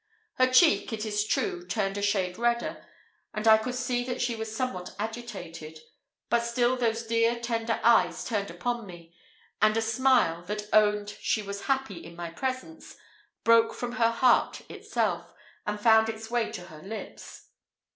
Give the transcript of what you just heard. Her cheek, it is true, turned a shade redder, and I could see that she was somewhat agitated; but still those dear, tender eyes turned upon me; and a smile, that owned she was happy in my presence, broke from her heart itself, and found its way to her lips.